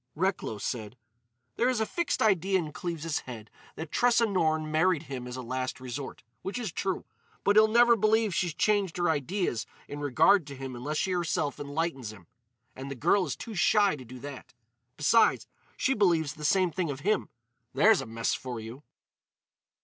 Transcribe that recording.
Recklow said: "There is a fixed idea in Cleves's head that Tressa Norne married him as a last resort, which is true. But he'll never believe she's changed her ideas in regard to him unless she herself enlightens him. And the girl is too shy to do that. Besides, she believes the same thing of him. There's a mess for you!"